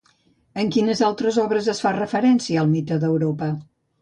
En quines altres obres es fa referència al mite d'Europa?